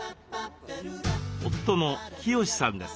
夫の清志さんです。